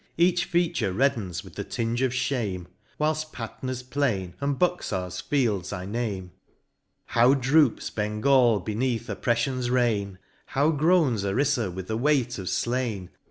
Each feature reddens with the tinge of fliame, Whilft Patna's plain, and Buxar's fields I name ; How droops Bengal beneath Opprefllcn's reign ! How groans Oris s a with the weight of flain